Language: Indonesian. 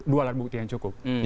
dua alat bukti yang cukup